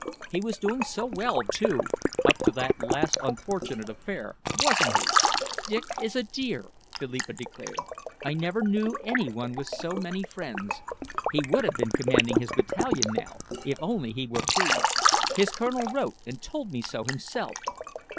He was doing so well, too, up to that last unfortunate affair, wasn't he?" "Dick is a dear," Philippa declared. "I never knew any one with so many friends. He would have been commanding his battalion now, if only he were free. His colonel wrote and told me so himself."